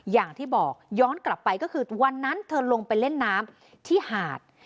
อย่างที่บอกย้อนกลับไปก็คือวันนั้นเธอลงไปเล่นน้ำที่หาด